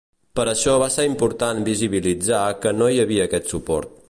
Per això va ser important visibilitzar que no hi havia aquest suport.